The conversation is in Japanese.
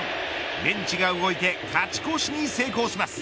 ベンチが動いて勝ち越しに成功します。